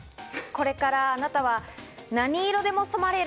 これからあなたは何色でも染まれる。